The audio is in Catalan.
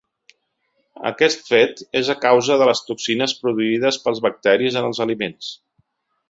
Aquest fet és a causa de les toxines produïdes pels bacteris en els aliments.